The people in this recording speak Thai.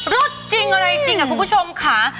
จริงอะไรจริงคุณผู้ชมค่ะ